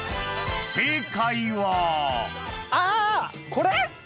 これ？